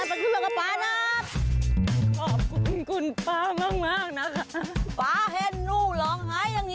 ขอบคุณคุณป๊ามากนะคะ